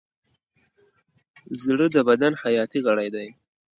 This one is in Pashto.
زړه د بدن حیاتي غړی دی.